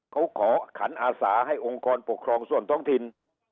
เขาขอขันอาสาให้องค์กรปกครองส่วนท้องถิ่น